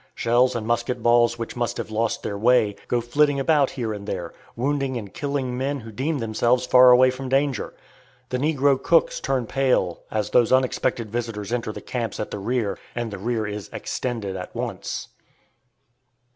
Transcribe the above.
Shells and musket balls which must have lost their way, go flitting about here and there, wounding and killing men who deem themselves far away from danger. The negro cooks turn pale as these unexpected visitors enter the camps at the rear, and the rear is "extended" at once.